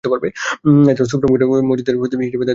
এছাড়াও supreme court মসজিদের খতিব হিসেবে দায়িত্ব পালন করতেন।